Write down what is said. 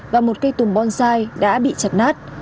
và một cây tùm bonsai đã bị chặt nát